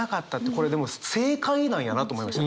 これでも正解なんやなと思いました。